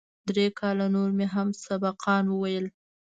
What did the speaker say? درې کاله نور مې هم سبقان وويل.